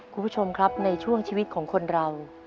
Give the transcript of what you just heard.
คุณผู้ชมครับในช่วงชีวิตของคนเรา